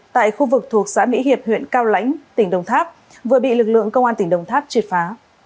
tại khu vực thuộc xã mỹ hiệp huyện cao lãnh tỉnh đồng tháp vừa bị lực lượng công an tỉnh đồng tháp triệt phá